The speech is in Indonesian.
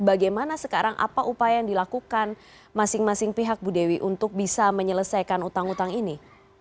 bagaimana sekarang apa upaya yang dilakukan masing masing pihak bu dewi untuk bisa menyelesaikan utang utang ini